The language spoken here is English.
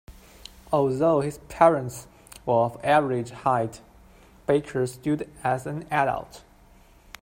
Although his parents were of average height, Baker stood as an adult.